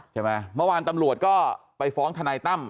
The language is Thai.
เมื่อวานตำรวจก็ไปฟ้องทนายตั้ม